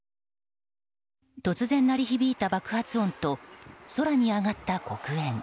突然鳴り響いた爆発音と空に上がった黒煙。